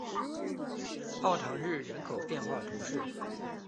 奥唐日人口变化图示